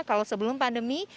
kalau sebelum pandemi